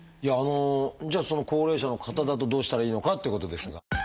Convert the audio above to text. じゃあ高齢者の方だとどうしたらいいのかっていうことですが。